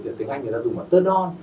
tiếng anh người ta dùng là tớ non